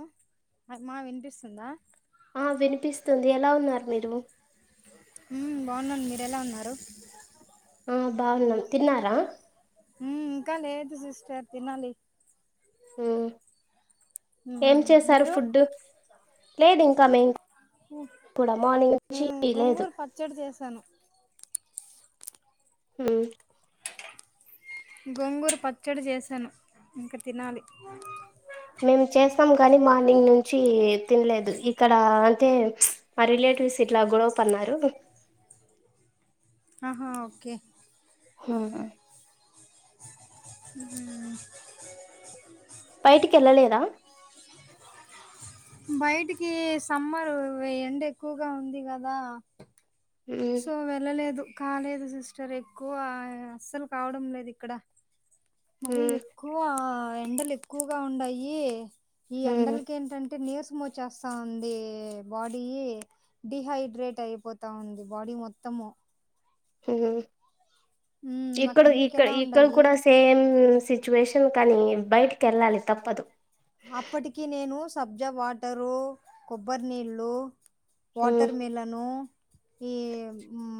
ఆ హనుమా వినిపిస్తుందా ఆ వినిపిస్తుంది ఎలా ఉన్నారు మీరు ఉ బాగున్నం మీరు ఎలా ఉన్నారు ఆ బాగున్నాం తిన్నారా ఉమ్ ఇంకా లేదు సిస్టర్ తినాలి ఉ ఏం మ్మ్ చేసారు మీరు ఫుడ్డు లేదు ఇంకా మేం ఇప్పుడ మనింగ్ నుంచి నేను లేదు గొంగూరు పచ్చడి చేశాను హు గొంగూరు పచ్చడి చేశాను ఇంకా తినాలి మేము చేస్తాం ని మార్నింగ్ నుంచి తినలేదు ఇక్కడ అంటే మా రిలే స్ ఇట్లా గొడవ పన్నారు ఆహా ఓకే ఆ అ బయటికి వెళ్ళలేదా బయటికి సమ్మర్ ఎండ ఎక్కువగా ఉంది కదా మ్మ్ సో వెళ్ళలేదు కాలేదు సిస్టర్ ఎక్కువ అస్సలు కావడం లేదు ఇక్కడ మరి మ్మ్ ఎక్కువ ఎండలు ఎక్కువగా ఉన్నాయి ఈ మ్మ్ ఎండలక ఏంటంటే నీరసం వచ్చ చేస్తా ఉంది బాడీ డిహైడ్రేట్ అయిపోతా ఉంది బాడీ మొత్తము ఉమ్ ఇక్కడ అక్కడ మీకు ఇక్క ఎలా ఇక్కడ ఉండయి కూడా సేమ్ సిచ్యువేషన్ కానీ బయటికి వెళ్ళాలి తప్పదు అప్పటికి నేను సబ్జా వాటరు కొబ్బరి నీళ్ళు మ్మ్ వాటర్ మేలను ఈ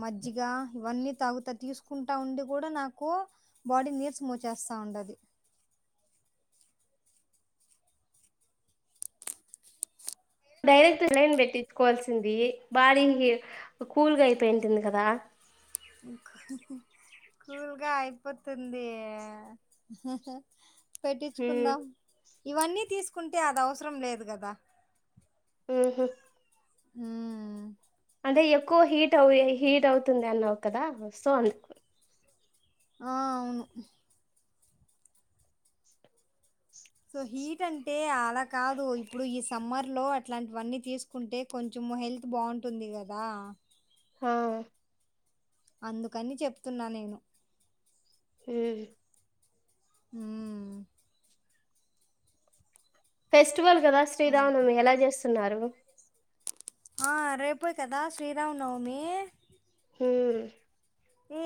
మజ్జిగ ఇవన్నీ తాగుతా తీసుకుంటా ఉండి కూడా నాకు బాడీ నీర్స్ మూవ చేస్తూ ఉండంది అ డైరెక్ట్ లైన్ పెట్టించుకోవాల్సింది బాడీ కూల్గా అయిపోయింటంది కదా కూల్గా అయిపోతు వతుంది హ్మ్ పెట్టించుకుందాం ఇవన్నీ తీసుకుంటే అది అవసరం లేదు కదా ఆ హ అదే ఎక్కువ హీట్ అవు హీట్ అవుతుంది అన్నావు కదా సో అందు ఆ అవును సో హీట్ అంటే అలా కాదు ఇప్పుడు ఈ సమ్మర్ లో అట్లాంటివన్నీ తీసుకుంటే కొంచెం మా హెల్త్ బాగుంటుంది కదా హా అందుకని చెప్తున్నా నేను హ అ ఫెస్టివల్ కదా అదే శ్రీరామనవమి ఎలా చేస్తున్నారు ఆ రేపోయికదా శ్రీరామ్నవమి హ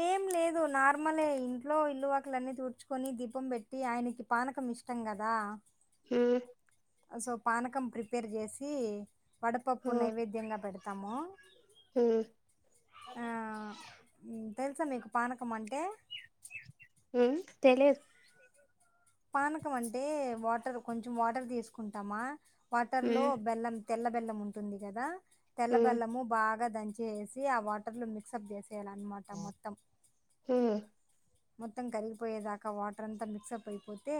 ఏం లేదు లేదు నార్మలే ఇంట్లో ఇల్లువాకులన్నీ తుడ్చుకొని దీపం పెట్టి ఆయనకి పానకం ఇష్టం కదా హ సో పానకం ప్రిపేర్ చేసి వడపప్పు నైవేద్యంగా పెడతాము అ ఆ, తెలుసా మీకు పానకం అంటే హ తెలియదు పానకం అంటే వాటర్ కొంచం వాటర్ తీసుకుంటామా వాటర్ హ్మ్ లో బెల్లం తెల్ల బెల్లం ఉంటుంది కదా తెల్ల హ్మ్ బెల్లము బాగా దంచ వేసి ఆ వాటర్ లో మిక్స్ అప్ చేసి లన్నమాట మొత్తం హ్మ్ మొత్తం కరిగిపోయేదాకా వాటర్ అంతా మిక్స్ అప్ అయిపోతే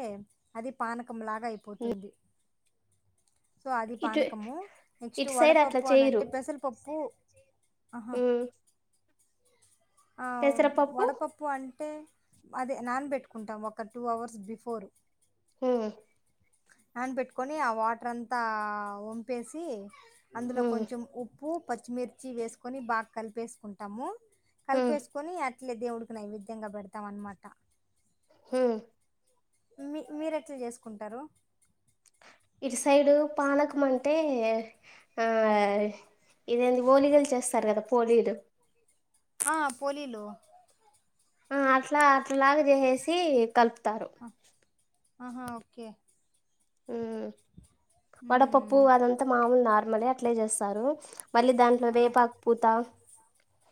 అది పాన పకం లాగా హ్మ్ అయిపోతుంది సో అది ఇటు పానకము నెక్స్ట్ ఇటు సైడ్ అట్లా వడపప్పు అని అంటే పెసరపప్పు ఆహా హ ఆ వడపప్పు అంట అంటే అదే నాన్ పెట్టుకుంటాం ఒక టూ అవర్స్ బిఫోర్ హ ఆన్ పెట్టుకొని ఆ వాటర్ అంతా వంపేసి అందులో హ్మ్ కొంచెం ఉప్పు ఉప్పు పచ్చిమిర్చి వేసుకొని బాగా కలిపేసుకుంటాము హ్మ్ కలిపేసుకొని అట్లే దేవుడికి ఈ విధ్యంగా పెడతాం అన్నమాట హ మీ మీర ఎట్లా చేసుకుంటారు ఇటు సైడు పాలకం అంటే ఆ ఇదేంటి పోలీకలు చేస్తారు కదా పోలీలు ఆ పోలీలు ఆ అట్లా అట్లాగ చేసేసి కలుపుతారు అ ఆహా ఓకే హమ్ వడపప్పు హ్మ్. అదంతా మామూలు నార్మలే అట్లే చేస్తారు మళ్ళీ దాంట్లో ఆ! వేపాకు పూత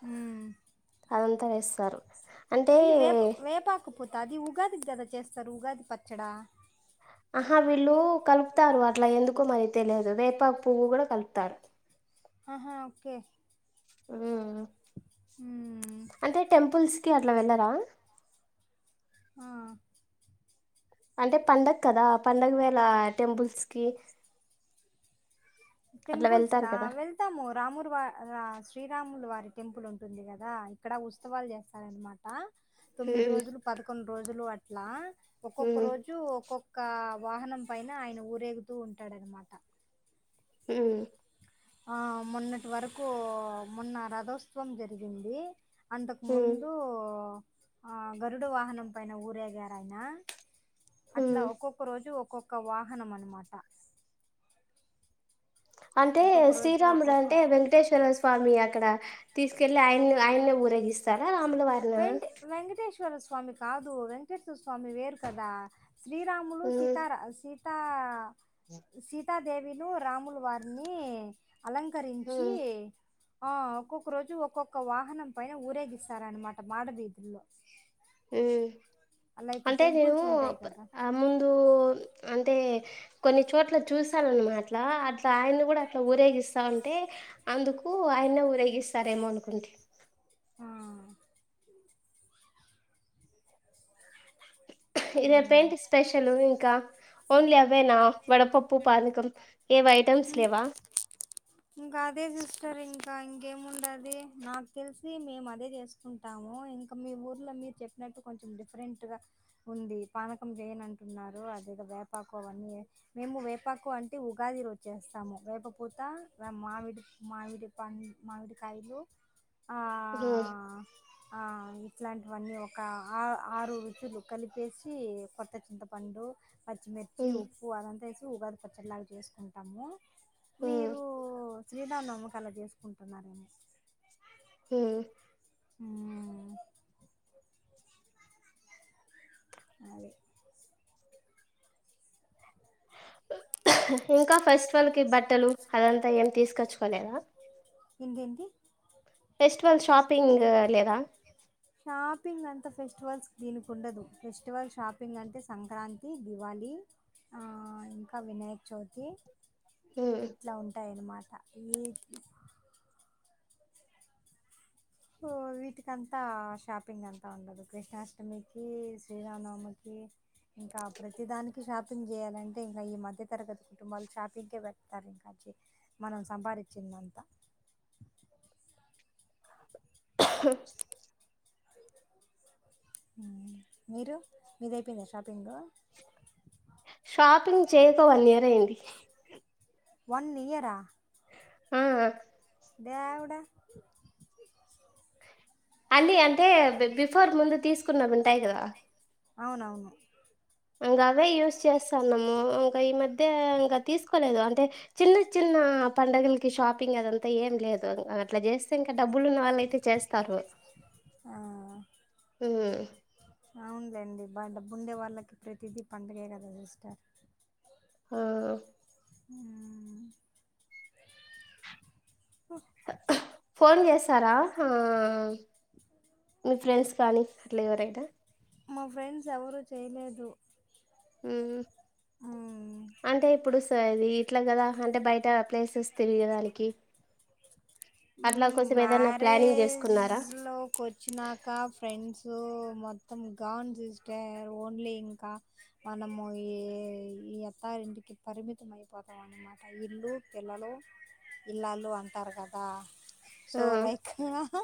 హ్మ్. అదంతా వేస్తారు అంటే ఇ వేప వేపాకపోత అది ఉగాదికి కదా చేస్తారు ఉగాది పచ్చడా ఆహా వీళ్ళు కలుపుతారు అట్ల ఎందుకో మరి తెలియదు వేపా పువ్వు కూడా కలుపుతారు తార్ ఆహా ఓకే ఉ మ్మ్. అంటే టెంపుల్స్ అట్ల వెళ్ళరా ఆ అంటే పండగ కదా పండగ వేళ టెంపుల్స్ కి అట్లా టెంపుల్స్ వెళ్తారు కా కదా వెళ్తాము రామురు వా శ్రీరాములు వారి టెంపుల్ ఉంటుంది కదా ఇక్కడ ఉత్సవాలు చేస్తారనమాట తొమ్మిది మ్మ్ రోజులు పదకొండు రోజులు అట్లా ఒక్కొక్క మ్మ్ రోజు ఒక్కొ ఒక వాహనం పైన ఆయన ఊరేగుతూ ఉంటాడనమాట హ ఆ మొన్నటి వరకు మొన్న రథోత్సవం జరిగింది అంతకు హ్మ్ ముందు గరుడు వాహనం పైన ఊరేగార ఆయన హ్మ్ అట్లా ఒక్కొక్క రోజు ఒక్కొక్క వాహనం అనమాట అంటే ఒక్కొక్క రోజు శ్రీరాముడు ఒక్కొక్క అంటే వెంకటేశ్వర స్వామి అక్కడ తీసుకెళ్ళలి ఆయన్ని ఆయన్ని ఊరేగిస్తాడా రాముల వారి వె వెంకటేశ్వర స్వామి కాదు వెంకటేశ్వర స్వామి వేరు కదా శ్రీరాములు హ్మ్ సీతారా స సీతాదేవి రాములు వారిని అలంకరించి హ్మ్ ఒక్కొక్క రోజు ఒక్కొక్క వాహనం పైన ఊరేగిస్తారనమాట మాడవీధుల్లో హ లైక్ అంటే నను టెంపుల్స్ ఉంటాయి కదా ఆ ముందు అంటే కొన్ని చోట్ల చూసాలన్నమాటలా అట్లా ఆయన కూడా అట్లా ఊరేగిస్తా ఉంటే అందుకు ఆయనే ఊరేగిస్తారేమో అనుకుంటే ఇదే పెయింటి ఆ స్పెషల్ ఇంకా ఓన్లీ అవేనా వడపప్పు పానీకం ఏవ ఐటెమ్స్ లేవా ఇంకా అదే సిస్టర్ ఇంకా ఇంకా ఇంకేం ఉండది నాకు తెలిసి మేము అదే చేసుకుంటాము ఇంకా మీ ఊర్లో మీరు చెప్పిన కొంచెం డిఫరెంట్ గా ఉంది పానకం చేయన్ అంటున్నారు అదగ వేపాకు అవన్నీ మేము వేపాకు అంటే ఉగాది వ చేేస్తాము వేప పూత మామిడి మావిడి పం మామిడికాయలు ఆ మహ్ ఆ ఇట్లాంటివన్నీ ఒక ఆ ఆరు రుచులు. కలిపేసి కొత్త చింతపండు పచ్చిమిర్చి హ్మ్ ఉప్పు అదంతేస్. ఉగాది పచ్చడిలాగా చేసుకుంటాము మహ్ మీరు శ్రీరామనవమికి అలా చేసుకుంటున్నారేమో హ్మ్మ్ హ్మ్మ్ అది ఇంకా ఫెస్టివల్కి బట్టలు అదంతా ఏం తీసుకొచ్చుకోలేదా ఏంది ఏంది ఫెస్టివల్ షాపింగ్ లేదా త ఫెస్టివల్స్ దీనికి ఉండదు ఫెస్టివల్ షాపింగ్ అంటే సంక్రాంతి దివాళి ఆ ఇంకా వినాయక్ చవితి మ్మ్. ఇట్లా ఉంటాయన్నమాట ఈ అహ్ వీటికంతా షాపింగ్ అంతా ఉండదు కృష్ణాష్టమికి శ్రీరామనవమికి కి ఇంకా ప్రతి దానికి షాపింగ్ చేయాలంటే ఇంకా ఈ మధ్య తరగతి కుటుంబాలు షాపింగ్కే పెడతారు ఇంకా కి మనం సంపాదించిందంతా మహ్ మీరు మీదయిపోయిందా షాపింగు షాపింగ్ చేయక వన్ ఇయర్ అయ్యింది వన్ ఇయరా హమ్ దేవడా అన్నీ అంటే బి బిఫోర్ ముందు తీసుకున్నవి ఉంటాయి కదా అవునవును ఇంకా అవే యూజ్ చేస్తాన్నాము ఇంకా ఈ మధ్య ఇంకా తీసుకోలేదు అంటే చిన్న చిన్న ఆ పండగలకి షాపింగ్ అదంతా ఏం లేదు అట్లా చేస్తే ఇంకా డబ్బులు ఉన్న వాళ్ అయితే చేస్తారు ఆ మహ్ అవున్లెండి బ డబ్బుండే వాళ్ళకి ప్రతిదీ పండగే కదా సిస్టర్ ఆ మహ్ ఫోన్ చేస్తారా ఆ మీ ఫ్రెండ్స్ కానీ అట్లా ఎవరైనా మా ఫ్రెండ్స్ ఎవరు చేయలేదు మహ్ మ్మ్. అంటే ఇప్పుడు ఓస్తాది అది ఎట్లా కదా అంటే బయట ప్లేసెస్ తిరిగిరానికి మహ్ చేసుకున్నారా మ్యారేజ్లోకి వచ్చినాక ఫ్రెండ్సు మొత్తం గాన్ సిస్టర్ ఓన్లీ ఇంకా మనము ఈ అత్త అత్తారింటికి పరిమితం అయిపోతాం అన్నమాట ఇల్లు పిల్లలు ఇల్లాళ్ళు అంటారు కదా ఆ సోలైక్ అహ్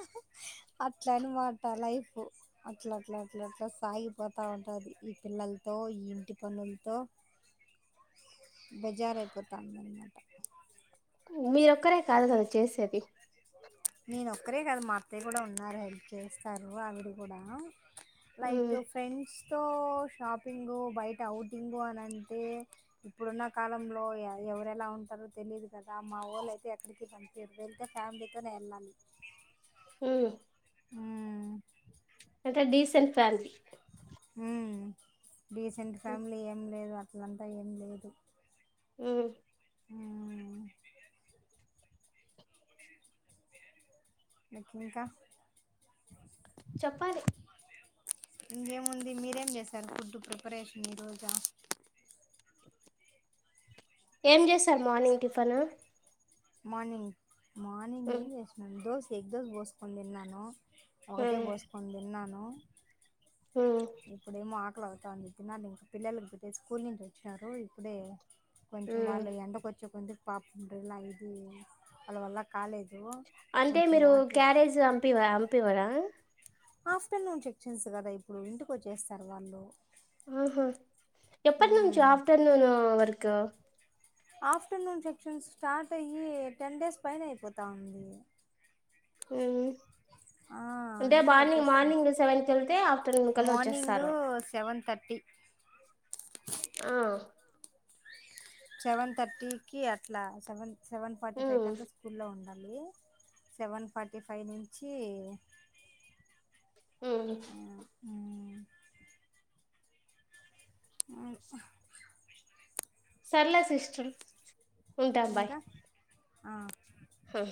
అట్లని మాట లైఫ్ అట్లా అట్లా అట్లా అట్లా సాగిపోతా ఉంటది ఈ పిల్లలతో ఈ ఇంటి పనులతో బెజరైపోతమన్నమాట మీరొక్కరే కాదు కదా చేసేది నేనొక్కరే కాదు మా అత్తయ్య కూడా ఉన్నారు హెల్ప్ చేస్తారు ఆవిడ కూడా లైక్ ఉమ్ ఫ్రెండ్స్తో తో షాపింగు బయట ఔటింగు అని అంటే ఇప్పుడున్న కాలంలో ఎ ఎవరెలా ఉన్ తెలియదు కదా మా వొళ్ళు అయితే ఎక్కడికి పంపియరు వెళ్తే ఫ్యామిలీతోనే ఎళ్ళాలి హ్ అంటే డీసెంట్ ఫ్యానీ ఉ డీసెంట్ ఉమ్ ఫ్యామిలీ ఏం లేదు అ అట్లాలంతా ఏం లేదు ఉ మ్మ్ మీకి ఇంకా చెప్పాలి ఇంకేముంది మీరేం చేస్తారు ఫుడ్ ప్రిపరేషన్ ఈ రోజ ఏం చేస్తారు మార్నింగ్ టిఫను మార్నింగ్ మార్నింగ్ ఏం ఉమ్ చేసినను దోస ఎగ్ దోస పోసుకొని తిన్నాను. ఒకటే ఉమ్ పోస్కోని తిన్నాను ఉమ్ ఇప్పుడేమో ఆకలి అవుతంది తినాలి పిల్లలు స్కూల్ నుంచి వచ్చారు ఇప్పుడే. కొంచెం ఉమ్ వాళ్ళు ఎండకు వచ్చే కొంచెకొద్ది పాపం డ్రీల్లా ఇది వాళ్ళ వల్ల కాలేదు. అంటే కొంచెం మీరు వాటర్ ఇచ్చి క్యారేజ్ అంపివ అంపివరా ఆఫ్టర్నూన్ చెక్చన్స్ కదా ఇప్పుడు ఇంటికి వచ్చేస్తారు వాళ్ళు. ఆహా ఎప్పడు నుంచి మ్మ్ ఆఫటర్ నూను వరకు ఆఫ్టర్నూన్ సెక్షన్స్ స్టార్ట్ అయ్యి టెన్ డేస్ పైన అయిపోతా ఉంది. ఉ ఆ అంటే ఇంటికి బార్నింగ్ వచ్చేస్తాం మార్నింగ్ సెవెన్కి వెళ్తే ఆఫ్టర్నూన్ కల్లా మార్నింగ్ వచ్చేస్తారు. సెవెన్ థర్టీ ఆ సెవెన్ థర్టీ కి అట్లా seven seven forty five um కంత స్కూలో ఉండాలి. ది సెవెన్ ఫార్టీ ఫైవ్ నుంచి ఉ ఆ హ సర్లే సిస్టర్ ఉంటా బాయ్ ఇంకా ఆ హొ